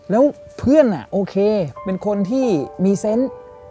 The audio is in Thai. แล้วเพื่อนโอเคเป็นคนที่มีเซนต์